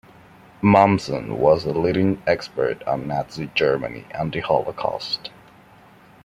Mommsen was a leading expert on Nazi Germany and the Holocaust.